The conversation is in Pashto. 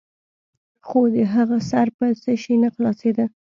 خو د هغه سر په څه شي نه خلاصېده.